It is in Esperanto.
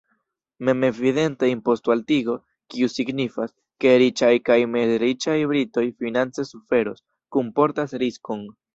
Memevidente imposto-altigo, kiu signifas, ke riĉaj kaj mezriĉaj britoj finance suferos, kunportas riskon.